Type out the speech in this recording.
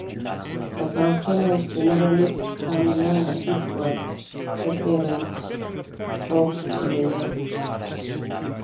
The volcanoes generally become younger eastward at a rate of to a year.